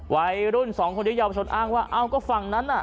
วัยรุ่นสองคนที่เยาวชนอ้างว่าเอ้าก็ฝั่งนั้นน่ะ